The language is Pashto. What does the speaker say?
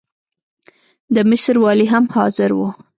د مصر والي هم حاضر وو.